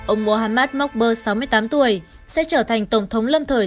ông mohammad morkbur sáu mươi tám tuổi sẽ trở thành tổng thống lâm thời